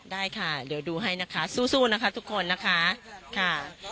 ได้ค่ะเดี๋ยวดูให้นะคะสู้นะคะทุกคนนะคะค่ะ